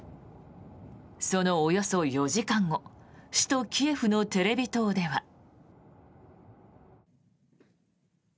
そのおよそ４時間後首都キエフのテレビ塔では。